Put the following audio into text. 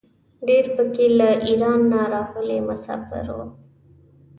ډېر په کې له ایران نه راغلي مساپر وو.